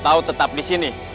atau tetap disini